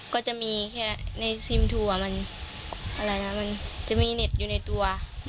ก็จะมีแค่ในซิมทัวร์มันจะมีเน็ตอยู่ในตัว